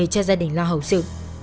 cho gia đình lo hậu sự